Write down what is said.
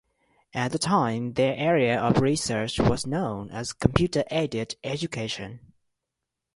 At the time, their area of research was known as "computer-aided education".